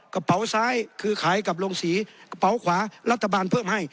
กระเป๋าซ้ายคือขายกับโรงสีกระเป๋าขวารัฐบาลเพิ่มให้